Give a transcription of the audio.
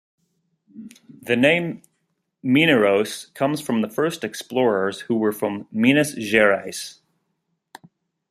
The name "Mineiros" comes from the first explorers who were from Minas Gerais.